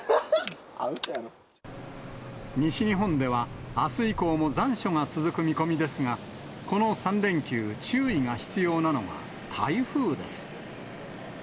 西日本では、あす以降も残暑が続く見込みですが、この３連休、注意が必要なのが、台風です。